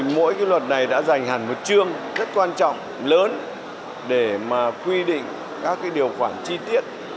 mỗi luật này đã dành hẳn một chương rất quan trọng lớn để mà quy định các cái điều khoản chi tiết